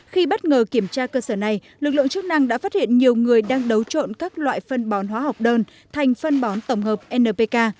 khi bất ngờ kiểm tra cơ sở này lực lượng chức năng đã phát hiện nhiều người đang đấu trộn các loại phân bón hóa học đơn thành phân bón tổng hợp npk